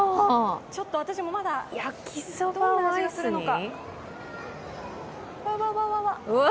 ちょっと私もまだどんな味がするのか。